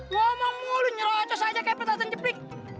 ngomong mulu nyerocos aja kayak peta peta jeplik